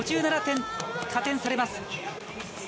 ５７点、加点されます。